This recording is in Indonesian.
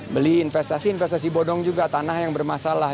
beli investasi investasi bodong juga tanah yang bermasalah